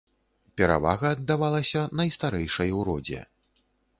Перавага аддавалася найстарэйшай у родзе.